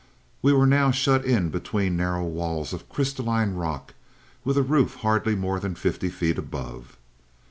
We were now shut in between narrow walls of crystalline rock, with a roof hardly more than fifty feet above.